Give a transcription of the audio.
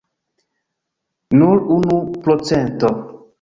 Nur unu procento!